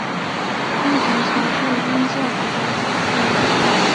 目前从事的音效指导讲师。